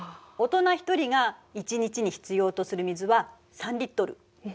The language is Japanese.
大人１人が１日に必要とする水は３リットル。